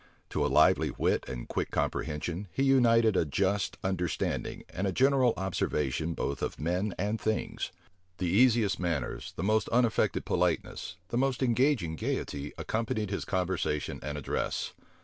To a lively wit and quick comprehension, he united a just understanding and a general observation both of men and things. The easiest manners, the most unaffected politeness, the most engaging gayety, accompanied his conversation and address.